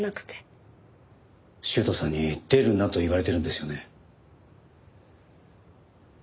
修斗さんに出るなと言われてるんですよね。